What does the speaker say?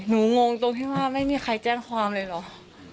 หนูงงตัวไม่มีใครแจ้งความเลยหรอก